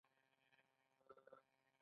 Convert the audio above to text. د فزیک خواب لا پوره نه دی.